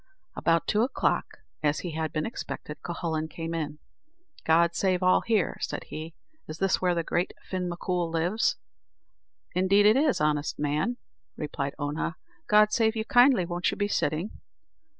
About two o'clock, as he had been expected, Cuhullin came in. "God save all here!" said he; "is this where the great Fin M'Coul lives?" "Indeed it is, honest man," replied Oonagh; "God save you kindly won't you be sitting?"